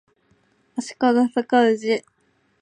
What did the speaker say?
足利尊氏